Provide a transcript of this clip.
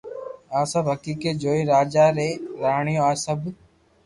آ سب حقيقت جوئين راجا ري راڻيو آ سب